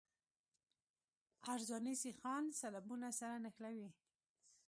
عرضاني سیخان سلبونه سره نښلوي